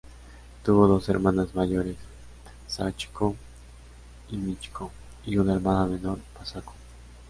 Tuvo dos hermanas mayores, Sachiko y Michiko, y una hermana menor, Masako.